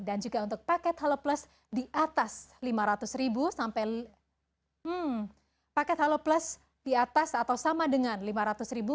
dan juga untuk paket halo plus di atas rp lima ratus sampai rp lima ratus